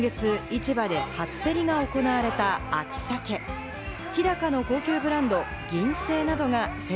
今月市場で初競りが行われた秋サケ。